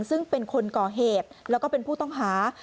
ซึ่งเป็นคนก่อเหตุแล้วก็เป็นผู้ต้องหา